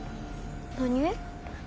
何？